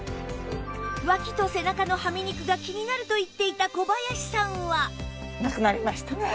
脇と背中のはみ肉が気になると言っていた小林さんは